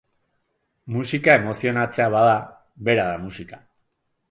Musika emozionatzea bada, bera da musika.